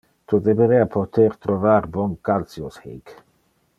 Tu deberea poter trovar bon calceos hic.